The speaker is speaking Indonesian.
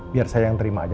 biar saya yang terima aja